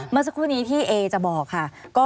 เมื่อสักครู่นี้ที่เอจะบอกค่ะ